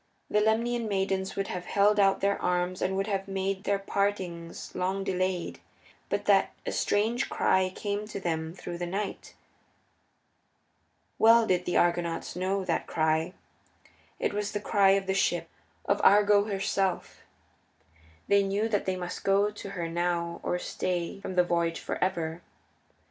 The Lemnian maidens would have held out their arms and would have made their partings long delayed, but that a strange cry came to them through the night. Well did the Argonauts know that cry it was the cry of the ship, of Argo herself. They knew that they must go to her now or stay from the voyage for ever.